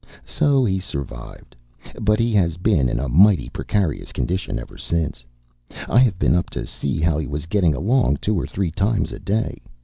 So he survived; but he has been in a mighty precarious condition ever since. I have been up to see how he was getting along two or three times a day....